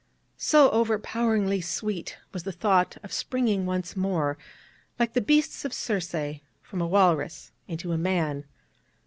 So overpoweringly sweet was the thought of springing once more, like the beasts of Circe, from a walrus into a man.